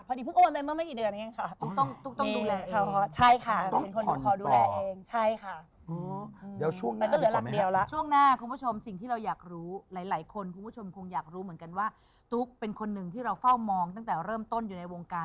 พอดีพวกมันมาเมื่อเมื่อกี่เดือนอย่างนี้ค่ะ